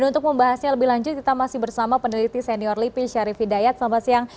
untuk membahasnya lebih lanjut kita masih bersama peneliti senior lipi syarif hidayat selamat siang